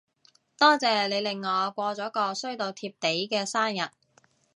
多謝你令我過咗個衰到貼地嘅生日